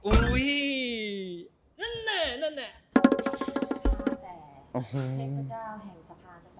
อุ้ยนั่นแหละนั่นแหละ